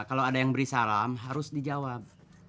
kalau ada yang beri salam harus dijawab